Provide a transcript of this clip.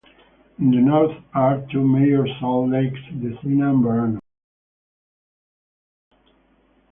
In the north are two major salt lakes Lesina and Varano.